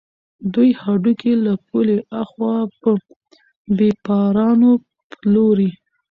دوی هډوکي له پولې اخوا په بېپارانو پلوري.